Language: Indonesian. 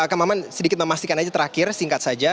kang maman sedikit memastikan aja terakhir singkat saja